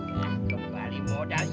nah kembali modal ini